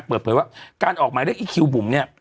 เปิดเผยว่าการออกหมายเรียกอีคิวบุ๋มเนี่ย